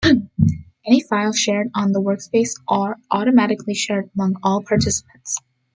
Any file shared on the workspace are automatically shared among all participants.